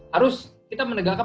harus kita menegakkan